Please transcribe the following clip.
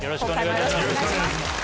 よろしくお願いします。